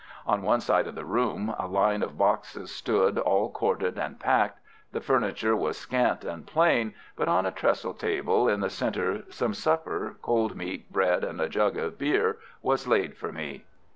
On one side of the room a line of boxes stood all corded and packed. The furniture was scant and plain, but on a trestle table in the centre some supper, cold meat, bread, and a jug of beer was laid for me.